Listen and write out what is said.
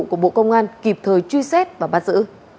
của bộ công an kịp thời truy xét và bắt giữ